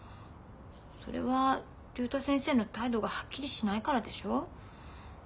それは竜太先生の態度がはっきりしないからでしょ。